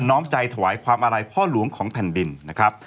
้อมใจถวายความอาลัยพ่อหลวงของแผ่นดินนะครับ